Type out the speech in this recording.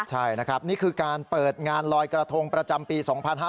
ใช่นะครับนี่คือการเปิดงานลอยกระทงประจำปี๒๕๕๙